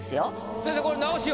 先生これ直しは？